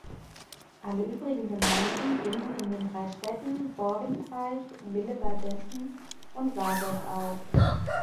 Alle übrigen Gemeinden gingen in den drei Städten Borgentreich, Willebadessen und Warburg auf.